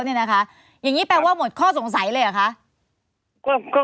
อย่างนี้แปลว่าหมดข้อสงสัยเลยเหรอคะ